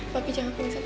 papi jangan kelesan